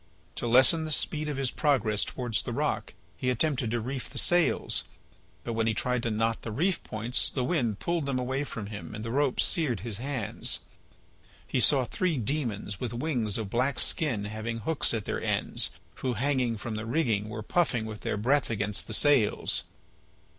To lessen the speed of his progress towards the rock he attempted to reef the sails, but when he tried to knot the reef points the wind pulled them away from him and the rope seared his hands. He saw three demons with wings of black skin having hooks at their ends, who, hanging from the rigging, were puffing with their breath against the sails.